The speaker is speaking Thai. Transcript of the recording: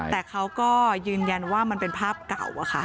แต่เขาก็ยืนยันว่ามันเป็นภาพเก่าอะค่ะ